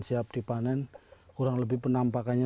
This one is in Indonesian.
siap dipanen kurang lebih penampakannya